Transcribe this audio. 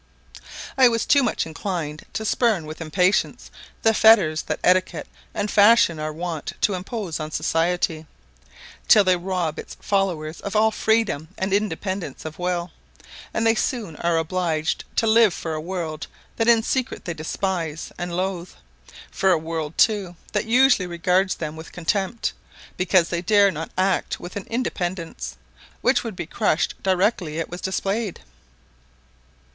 I was too much inclined to spurn with impatience the fetters that etiquette and fashion are wont to impose on society, till they rob its followers of all freedom and independence of will; and they soon are obliged to live for a world that in secret they despise and loathe, for a world, too, that usually regards them with contempt, because they dare not act with an independence, which would be crushed directly it was displayed.